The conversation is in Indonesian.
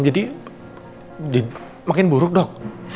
jadi makin buruk dok